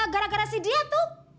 gara gara si dia tuh